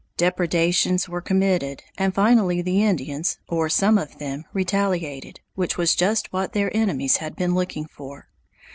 Depredations were committed, and finally the Indians, or some of them, retaliated, which was just what their enemies had been looking for.